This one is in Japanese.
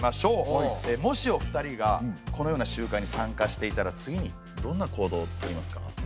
もしお二人がこのような集会に参加していたら次にどんな行動をとりますか？